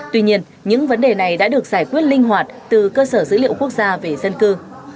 tuy nhiên những vấn đề này đã được giải quyết linh hoạt từ cơ sở dữ liệu quốc gia về dân cư